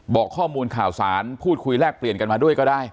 บอกข้อมูลข่าวสารพูดคุยแลกเปลี่ยนกันมาด้วยก็ได้